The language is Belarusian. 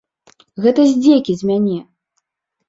Гэта здзекі з мяне.